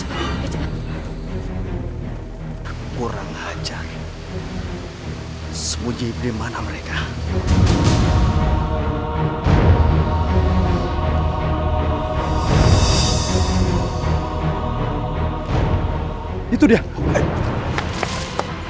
hanya manda berkata bahwa his loving name receber helt paling dan terindah di terungtasnya